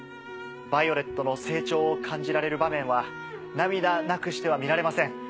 ヴァイオレットの成長を感じられる場面は涙なくしては見られません。